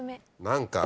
何か。